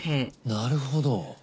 なるほど。